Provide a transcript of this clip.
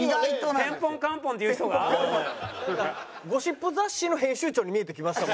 なんかゴシップ雑誌の編集長に見えてきました。